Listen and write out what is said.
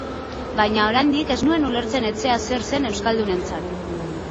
Baina oraindik ez nuen ulertzen etxea zer zen euskaldunentzat.